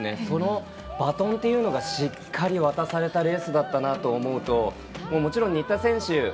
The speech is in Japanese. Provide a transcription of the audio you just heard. そのバトンっていうのがしっかり渡されたレースだったなと思うともちろん新田選手